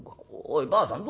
おいばあさん